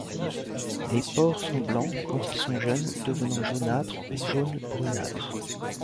Les pores sont blancs quand ils sont jeunes, devenant jaunâtres ou jaune brunâtre.